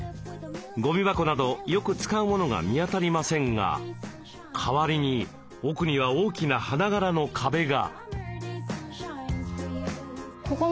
ゴミ箱などよく使うモノが見当たりませんが代わりに奥には大きな花柄の壁が。